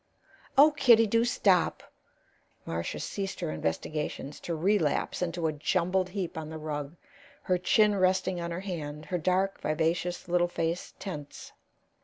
"Oh, Kitty, do stop!" Marcia ceased her investigations to relapse into a jumbled heap on the rug, her chin resting on her hand, her dark, vivacious little face tense.